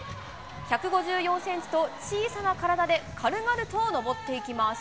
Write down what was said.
１５４センチと小さな体で軽々と登っていきます。